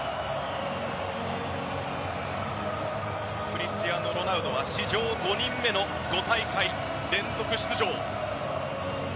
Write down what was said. クリスティアーノ・ロナウドは史上５人目の５大会連続出場。